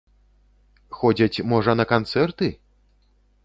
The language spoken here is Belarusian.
Ходзяць, можа, на канцэрты?